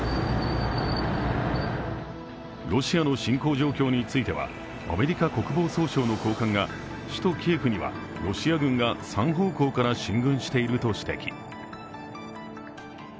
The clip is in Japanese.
ロシアの侵攻状況についてはアメリカ国防総省の高官が首都キエフにはロシア軍が３方向から進軍していると指摘。